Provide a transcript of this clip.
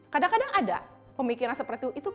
kadang kadang ada pemikiran seperti itu